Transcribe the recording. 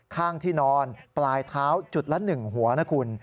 ข้างที่นอนปลายเท้าจุดละ๑หัวนะคุณ